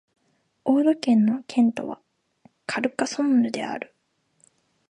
オード県の県都はカルカソンヌである